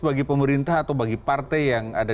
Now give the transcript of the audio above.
bagi pemerintah atau bagi partai yang ada